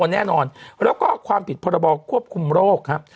แล้วก็ความผิดพบควบคุมโรคครับ